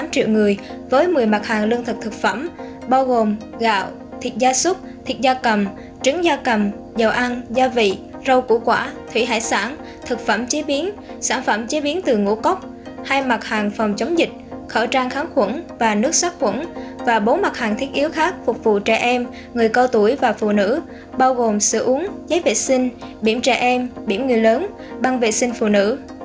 bảy mươi tám triệu người với một mươi mặt hàng lương thực thực phẩm bao gồm gạo thịt da súc thịt da cầm trứng da cầm dầu ăn gia vị rau củ quả thủy hải sản thực phẩm chế biến sản phẩm chế biến từ ngũ cốc hai mặt hàng phòng chống dịch khẩu trang kháng khuẩn và nước xác quẩn và bốn mặt hàng thiết yếu khác phục vụ trẻ em người cao tuổi và phụ nữ bao gồm sữa uống giấy vệ sinh biển trẻ em biển người lớn băng vệ sinh phụ nữ